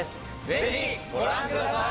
ぜひご覧ください！